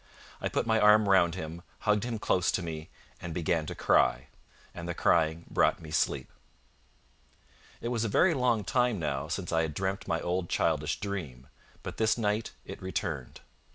I put my arm round him, hugged him close to me, and began to cry, and the crying brought me sleep. It was a very long time now since I had dreamt my old childish dream; but this night it returned.